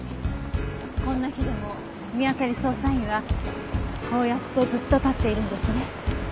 こんな日でも見当たり捜査員はこうやってずっと立っているんですね。